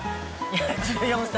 １４歳。